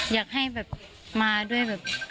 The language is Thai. อยากให้มาด้วย